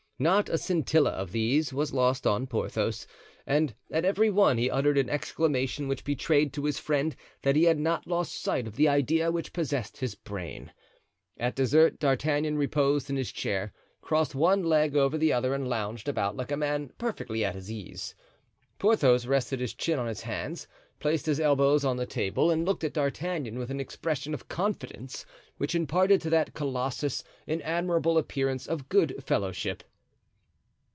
Not a scintilla of these was lost on Porthos; and at every one he uttered an exclamation which betrayed to his friend that he had not lost sight of the idea which possessed his brain. At dessert D'Artagnan reposed in his chair, crossed one leg over the other and lounged about like a man perfectly at his ease. Porthos rested his chin on his hands, placed his elbows on the table and looked at D'Artagnan with an expression of confidence which imparted to that colossus an admirable appearance of good fellowship.